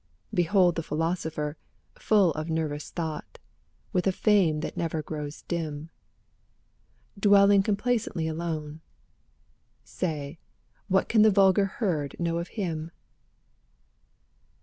Behold the philosopher, full of nervous thought, with a fame that never grows dim. Dwelling complacently alone, — say, what can the vulgar herd know of him?